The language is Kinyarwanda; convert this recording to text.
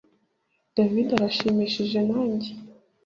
David aranshimishije nanjye